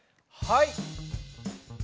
はい。